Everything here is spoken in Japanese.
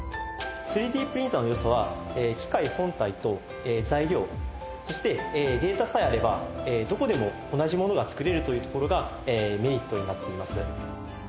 ３Ｄプリンターのよさは、機械本体と材料、そしてデータさえあれば、どこでも同じものが作れるというところがメリットになっています。